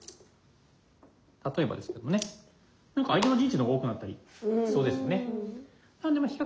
例えばですけどね相手の陣地の方が多くなったりしそうですよね。